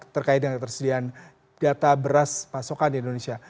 terkait dengan ketersediaan data beras pasokan di indonesia